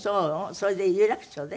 それで有楽町で？